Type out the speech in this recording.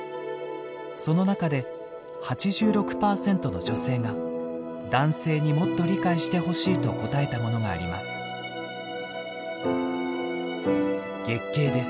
その中で８６％の女性が男性にもっと理解してほしいと答えたものがあります。